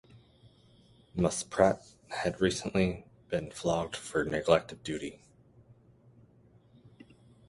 Muspratt had recently been flogged for neglect of duty.